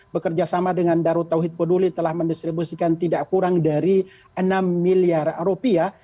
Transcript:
bekerjasama dengan darul tauhid poduli telah mendistribusikan tidak kurang dari enam miliar rupiah